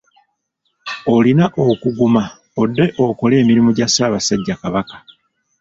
Olina okuguma odde okole emirimu gya Ssaabasajja Kabaka.